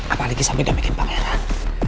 apalagi sampe damaiin pangeran